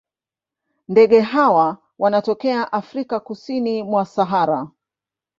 Ndege hawa wanatokea Afrika kusini mwa Sahara.